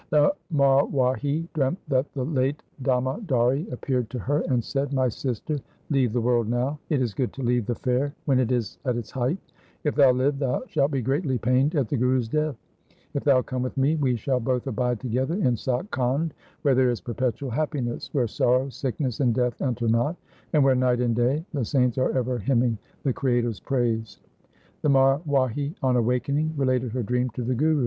The Marwahi dreamt that the late Damodari appeared to her and said, ' My sister, leave the world now. It is good to leave the fair when it is at its height. If thou live, thou shalt be greatly pained at the Guru's death. If thou come with me, we shall both abide together in Sach Khand where there is perpetual happiness, where sorrow, sickness and death enter not, and where night and day the saints are ever hymning the Creator's praise.' THE SIKH RELIGION The Marwahi on awaking related her dream to the Guru.